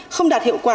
không đạt hiệu quả